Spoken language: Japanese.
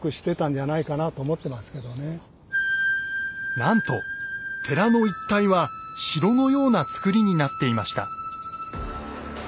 なんと寺の一帯は城のような造りになっていました。